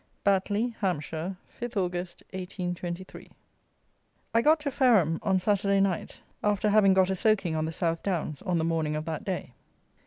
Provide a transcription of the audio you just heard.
Batley (Hampshire), 5th August, 1823. I got to Fareham on Saturday night, after having got a soaking on the South Downs on the morning of that day.